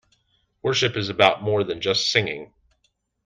Worship is about more than just singing.